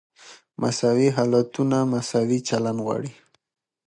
مساوي حالتونه مساوي چلند غواړي.